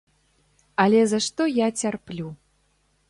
Але за што я цярплю?